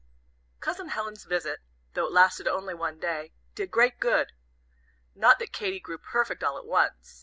Cousin Helen's visit, though it lasted only one day, did great good. Not that Katy grew perfect all at once.